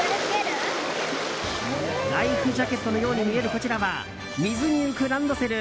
ライフジャケットのように見えるこちらは水に浮くランドセル